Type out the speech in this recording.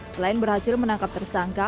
selain berhasil menangkap tersangka